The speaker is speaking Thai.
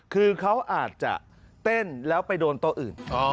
คือเขาอาจจะเต้นแล้วไปโดนโต๊ะอื่น